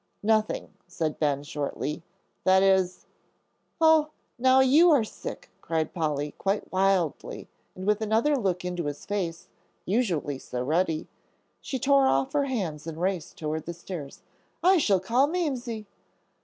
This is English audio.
"Nothing," said Ben, shortly, "that is " "Oh, now you are sick," cried Polly, quite wildly, and with another look into his face, usually so ruddy, she tore off her hands and raced toward the stairs. "I shall call Mamsie."